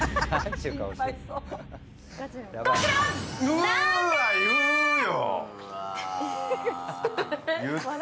うわ、言うよ。